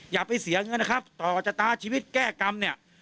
อย่าไปเสียเงินนะครับต่อชะตาชีวิตแก้กรรมเนี่ย